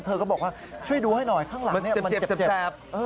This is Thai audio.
เธอก็บอกว่าช่วยดูให้หน่อยข้างหลังมันเจ็บแสบ